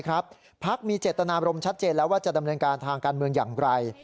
พักมีเจตนาบรมชัดเจนแล้วว่าจะดำเนินการทางการเมืองอย่างไร